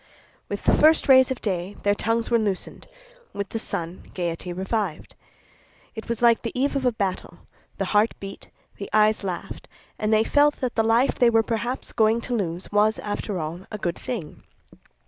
With the first rays of day their tongues were loosened; with the sun gaiety revived. It was like the eve of a battle; the heart beat, the eyes laughed, and they felt that the life they were perhaps going to lose, was, after all, a good thing.